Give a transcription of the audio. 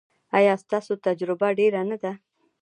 ایا ستاسو تجربه ډیره نه ده؟